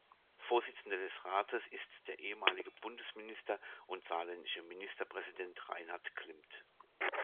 Vorsitzender des Rates ist der ehemalige Bundesminister und saarländische Ministerpräsident Reinhard Klimmt.